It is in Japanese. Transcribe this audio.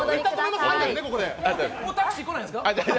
タクシー来ないんですか？